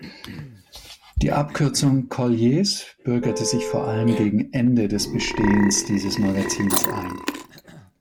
Die Abkürzung "Collier’s" bürgerte sich vor allem gegen Ende des Bestehens dieses Magazins ein.